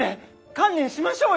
観念しましょうよ！